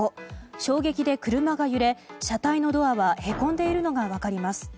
衝撃で車が揺れ車体のドアはへこんでいるのが分かります。